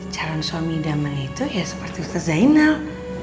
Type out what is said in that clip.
calon suami idaman itu ya seperti ustadz zainal